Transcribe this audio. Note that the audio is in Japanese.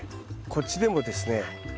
こっちでもですね